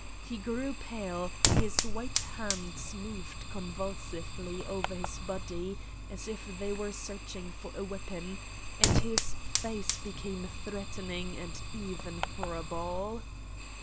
He grew pale, his white hands moved convulsively over his body as if they were searching for a weapon, and his face became threatening and even horrible.